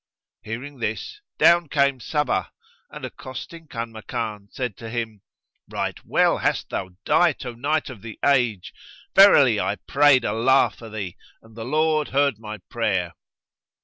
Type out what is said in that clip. Hearing this, down came Sabbah and, accosting Kanmakan, said to him, "Right well hast thou dight, O Knight of the age! Verily I prayed Allah for thee and the Lord heard my prayer."